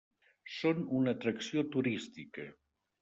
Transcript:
Són una atracció turística.